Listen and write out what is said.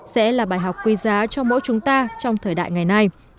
sẽ là bài học quý giá cho mỗi chúng ta trong thời đại ngày nay